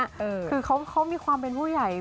คือเขามีความเป็นผู้ใหญ่